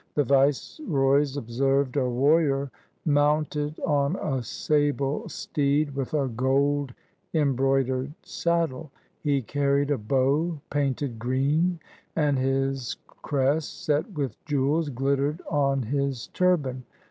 The viceroys observed a warrior mounted on a sable steed with a gold embroidered saddle. He carried a bow painted green, and his crest set with jewels glittered 170 THE SIKH RELIGION on his turban.